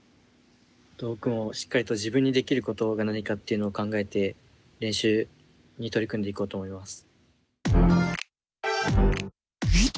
僕もしっかりと自分にできることが何かっていうのを考えて練習に取り組んでいこうと思います。